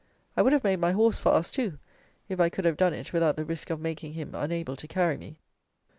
I would have made my horse fast too, if I could have done it without the risk of making him unable to carry me.